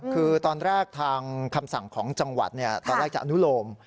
คือตอนแรกทางคำสั่งของจังหวัดตอนแรกจะอนุโลม